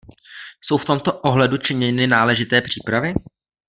Jsou v tomto ohledu činěny náležité přípravy?